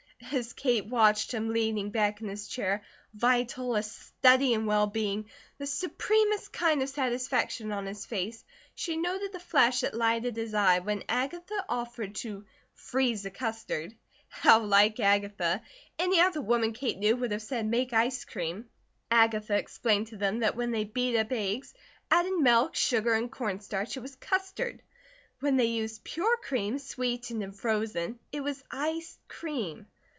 As Kate watched him leaning back in his chair, vital, a study in well being, the supremest kind of satisfaction on his face, she noted the flash that lighted his eye when Agatha offered to "freeze a custard." How like Agatha! Any other woman Kate knew would have said, "make ice cream." Agatha explained to them that when they beat up eggs, added milk, sugar, and corn starch it was custard. When they used pure cream, sweetened and frozen, it was iced cream.